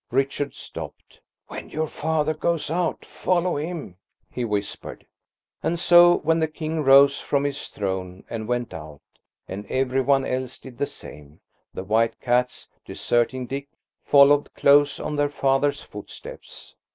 Richard stopped. "When your father goes out, follow him," he whispered. And so, when the King rose from his throne and went out, and every one else did the same, the white cats, deserting Dick, followed close on their father's footsteps.